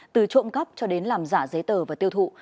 từ trộm cắp cho đến làm giả giấy tờ và tiêu thụ